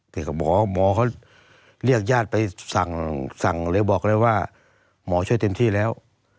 แต่หมอหมอเขาเรียกญาติไปสั่งหรือบอกเลยว่าหมอช่วยเต็มที่แล้ว